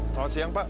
selamat siang pak